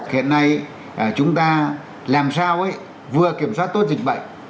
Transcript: hiện nay chúng ta làm sao vừa kiểm soát tốt dịch bệnh